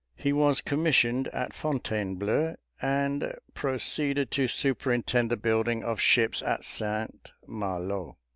He was commissioned at Fontainebleau, and proceeded to superintend the building of ships at St. Malo.